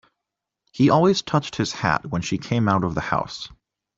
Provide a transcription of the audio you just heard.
He always touched his hat when she came out of the house.